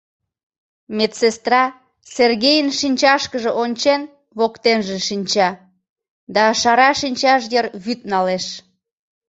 Медсестра, Сергейын шинчашкыже ончен, воктенже шинча, да шара шинчаж йыр вӱд налеш.